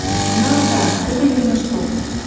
«Ната!» Тӹдӹ йӹлмӹшток